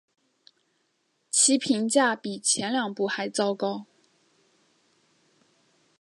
其评价比前两部还糟糕。